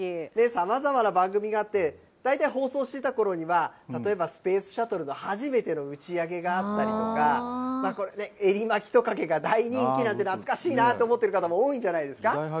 さまざまな番組があって、大体、放送してたころには、例えばスペースシャトルの初めての打ち上げがあったりとか、これね、エリマキトカゲが大人気なんて、懐かしいななんて思ってる方も多いんじゃないですか。